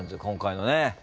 今回のね。